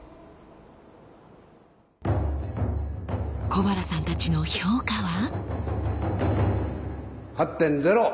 小原さんたちの評価は？